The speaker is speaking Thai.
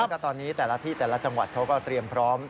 แล้วก็ตอนนี้แต่ละที่แต่ละจังหวัดเขาก็เตรียมพร้อม